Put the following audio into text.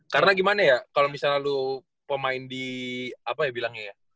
karena gimana ya kalau misalnya lu pemain di apa ya bilangnya ya